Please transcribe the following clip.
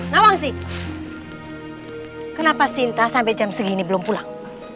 nawang sih kenapa sinta sampai jam segini belum pulang